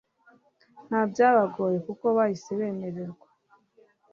ntibyabagoye kuko bahise bemererwa